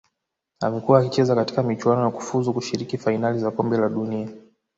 Amekua akicheza katika michuano ya kufuzu kushiriki fainali za kombe la dunia